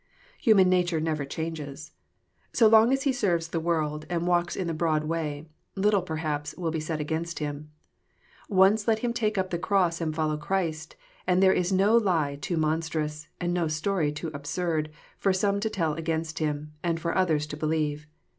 Human nature never changes. So long as he serves the world, and walks in the broad way, little perhaps will be said against him. Once let him take up the cross and follow Christ, and there is no lie too mon strous, and no stoiy too absurd, for some to tell against him, and for others to believe.